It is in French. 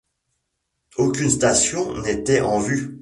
Aucune station n’était en vue.